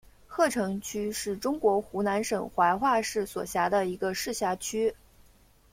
鹤城区是中国湖南省怀化市所辖的一个市辖区。